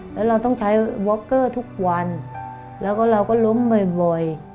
แล้วเราต้องใช้ว็อกเกอร์ทุกวันแล้วก็เราก็ล้มบ่อย